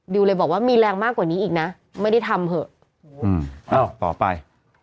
เลยบอกว่ามีแรงมากกว่านี้อีกนะไม่ได้ทำเถอะอ้าวต่อไป